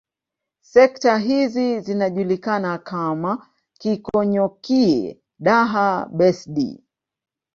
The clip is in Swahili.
Sekta hizi zinajulikana kama Keekonyokie Daha Besdi